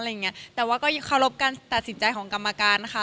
อะไรอย่างเงี้ยแต่ว่าก็เคารพการตัดสินใจของกรรมการค่ะ